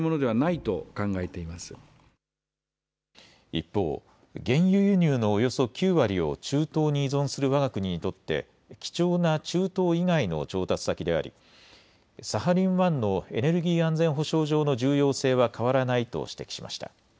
一方、原油輸入のおよそ９割を中東に依存するわが国にとって貴重な中東以外の調達先でありサハリン１のエネルギー安全保障上の重要性は変わらないと指摘しました。